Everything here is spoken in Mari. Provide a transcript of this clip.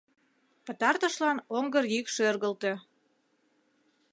Пытартышлан оҥгыр йӱк шергылте.